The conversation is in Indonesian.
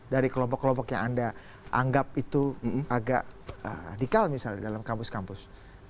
dari kelompok kelompok yang anda anggap itu agak radikal misalnya dalam kampus kampus